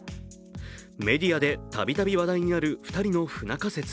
メディアでたびたび話題になる２人の不仲説。